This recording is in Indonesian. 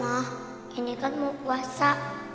wah ini kan mau puasa